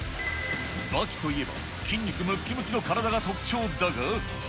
刃牙といえば、筋肉ムッキムキの体が特徴だが。